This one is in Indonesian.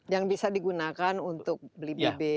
yang bisa digunakan untuk beli bibit